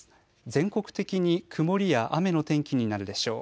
全国的に曇りや雨の天気になるでしょう。